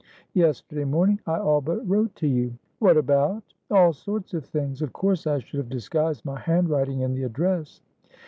Yesterday morning, I all but wrote to you." "What about?" "All sorts of things. Of course I should have disguised my handwriting in the address."